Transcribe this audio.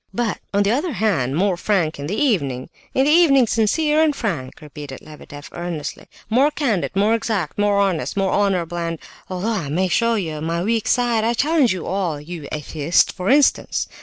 "But, on the other hand, more frank in the evening! In the evening sincere and frank," repeated Lebedeff, earnestly. "More candid, more exact, more honest, more honourable, and... although I may show you my weak side, I challenge you all; you atheists, for instance!